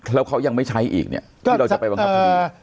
แล้วเขายังไม่ใช้อีกเนี่ยที่เราจะไปบังคับคดี